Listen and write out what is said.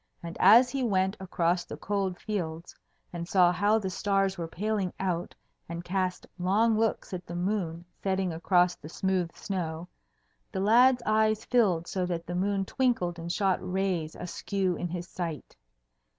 And as he went across the cold fields and saw how the stars were paling out, and cast long looks at the moon setting across the smooth snow, the lad's eyes filled so that the moon twinkled and shot rays askew in his sight.